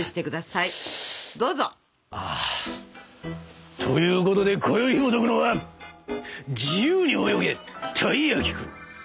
あということでこよいひもとくのは「自由に泳げ！たい焼きくん」。